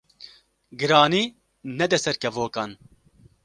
Giranî nede ser kevokan